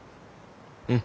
うん。